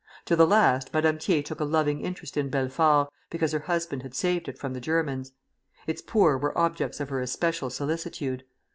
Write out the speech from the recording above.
To the last, Madame Thiers took a loving interest in Belfort, because her husband had saved it from the Germans. Its poor were objects of her especial solicitude.